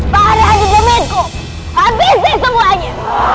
pahamlah di jemitku habis deh semuanya